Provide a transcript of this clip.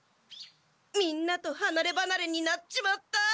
みんなとはなればなれになっちまった。